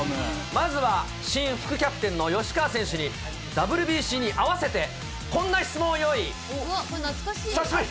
まずは新副キャプテンの吉川選手に、ＷＢＣに合わせて、懐かしい。